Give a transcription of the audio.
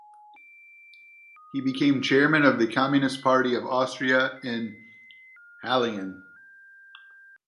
He became chairman of the Communist Party of Austria in Hallein.